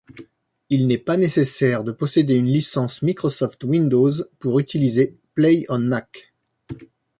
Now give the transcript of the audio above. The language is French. Il n'est pas nécessaire de posséder une licence Microsoft Windows pour utiliser PlayOnMac.